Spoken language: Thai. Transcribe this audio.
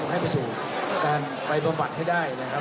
ไม่ให้ไปสู่การไปประบัติให้ได้นะครับ